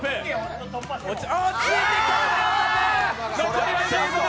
残りは１５秒。